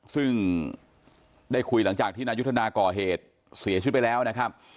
ซึ่งได้คุยหลังจากที่นายุทธนาก่อเหตุเสียชีวิตไปแล้วนะครับ